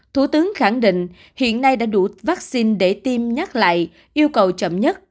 thủ tướng khẳng định hiện nay đã đủ vaccine để tiêm nhắc lại yêu cầu chậm nhất